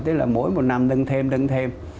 tức là mỗi một năm nâng thêm nâng thêm